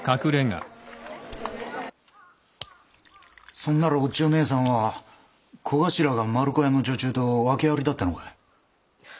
そんならお千代ねえさんは小頭が丸子屋の女中と訳ありだってのかい？